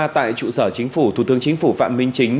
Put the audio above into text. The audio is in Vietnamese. tại trụ sở chính phủ thủ tướng chính phủ phạm minh chính